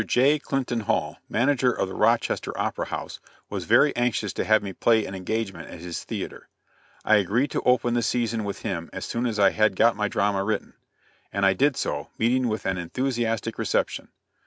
J. Clinton Hall, manager of the Rochester Opera House, was very anxious to have me play an engagement at his theatre. I agreed to open the season with him as soon as I had got my drama written; and I did so, meeting with an enthusiastic reception.